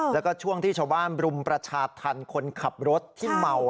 แล้วก็ช่วงที่ชาวบ้านรุมประชาธรรมคนขับรถที่เมา